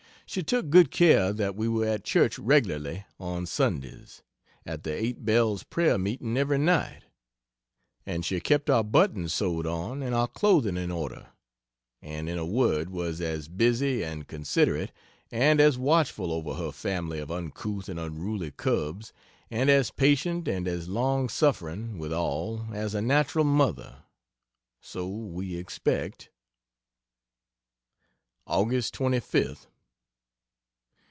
She took good care that we were at church regularly on Sundays; at the 8 bells prayer meeting every night; and she kept our buttons sewed on and our clothing in order and in a word was as busy and considerate, and as watchful over her family of uncouth and unruly cubs, and as patient and as long suffering, withal, as a natural mother. So we expect..... Aug. 25th.